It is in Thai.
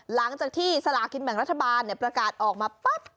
หลังจากที่สลากินแบ่งรัฐบาลประกาศออกมาปั๊บ